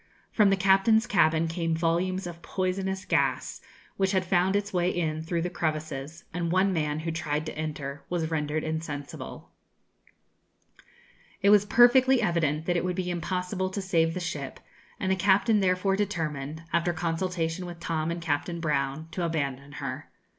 From the captain's cabin came volumes of poisonous gas, which had found its way in through the crevices, and one man, who tried to enter, was rendered insensible. [Illustration: Monkshaven on Fire.] It was perfectly evident that it would be impossible to save the ship, and the captain therefore determined, after consultation with Tom and Captain Brown, to abandon her.